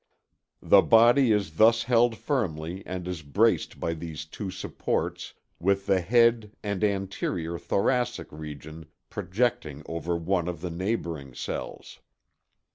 The body is thus held firmly and is braced by these two supports with the head and anterior thoracic region projecting over one of the neighboring cells.